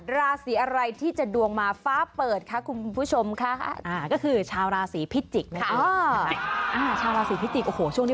อ๋อลาศีกันนี่กันสมชื่อเลยนะ